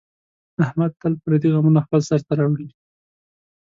احمد تل پردي غمونه خپل سر ته راوړي.